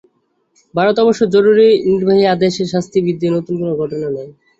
ভারতে অবশ্য জরুরি নির্বাহী আদেশে শাস্তি বৃদ্ধি নতুন কোনো ঘটনা নয়।